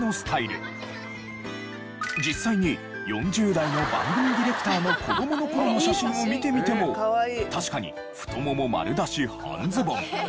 実際に４０代の番組ディレクターの子供の頃の写真を見てみても確かに太もも丸出し半ズボン。